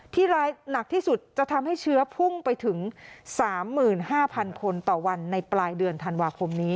หนักที่สุดจะทำให้เชื้อพุ่งไปถึง๓๕๐๐๐คนต่อวันในปลายเดือนธันวาคมนี้